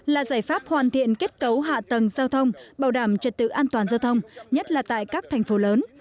là giải pháp hoàn thiện kết cấu hạ tầng giao thông bảo đảm trật tự an toàn giao thông nhất là tại các thành phố lớn